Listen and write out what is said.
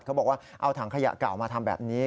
เขาบอกว่าเอาถังขยะเก่ามาทำแบบนี้